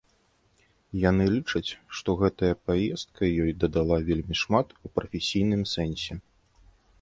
Яны лічыць, што гэтая паездка ёй дадала вельмі шмат у прафесійным сэнсе.